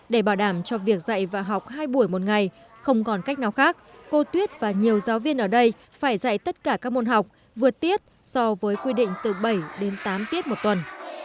để bảo đảm cho việc dạy và học hai buổi một ngày không còn cách nào khác cô tuyết và nhiều giáo viên ở đây phải dạy tất cả các môn học vượt tiết so với quy định từ bảy đến tám tiết một tuần